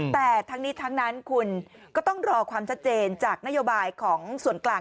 แต่ทั้งนี้ทั้งนั้นคุณก็ต้องรอความชัดเจนจากนโยบายของส่วนกลาง